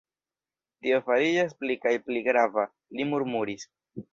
Tio fariĝas pli kaj pli grava, li murmuris.